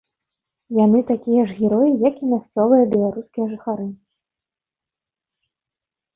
Яны такія ж героі, як і мясцовыя беларускія жыхары.